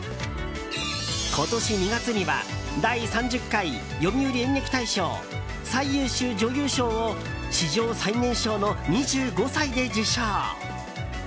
今年２月には第３０回読売演劇大賞最優秀女優賞を史上最年少の２５歳で受賞。